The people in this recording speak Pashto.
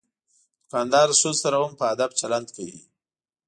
دوکاندار د ښځو سره هم په ادب چلند کوي.